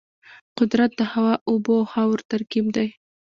قدرت د هوا، اوبو او خاورو ترکیب دی.